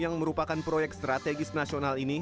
yang merupakan proyek strategis nasional ini